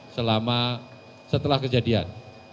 selama setelah kejadian